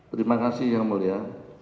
terima kasih yang mulia